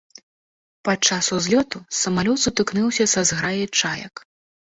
Падчас узлёту самалёт сутыкнуўся са зграяй чаек.